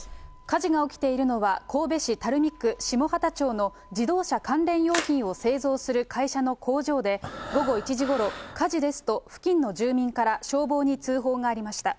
火事が起きているのは、神戸市垂水区下畑町の、自動車関連用品を製造する会社の工場で、午後１時ごろ、火事ですと、付近の住民から消防に通報がありました。